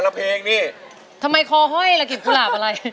อเรนนี่ทำไมคอเฮ่ยแล้วกลีบปูหลาบไร